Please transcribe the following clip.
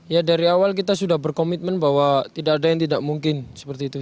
ya dari awal kita sudah berkomitmen bahwa tidak ada yang tidak mungkin seperti itu